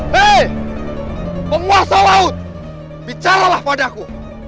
hei penguasa laut bicaralah padaku